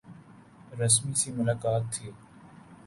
رسمی سی ملاقات تھی۔